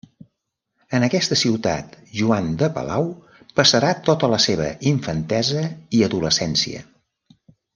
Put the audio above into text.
En aquesta ciutat Joan de Palau passarà tota la seva infantesa i adolescència.